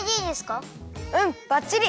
うんばっちり！